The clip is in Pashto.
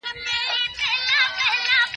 روغتيايي اسانتياوي د ټولني د پرمختګ بنسټ دی.